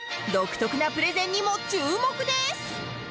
独特なプレゼンにも注目です！